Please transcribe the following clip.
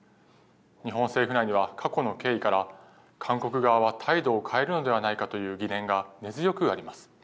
日本政府内には、過去の経緯から、韓国側は態度を変えるのではないかという疑念が根強くあります。